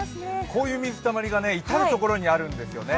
こういう水たまりが至る所にあるんですよね。